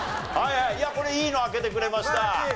いやこれいいの開けてくれました。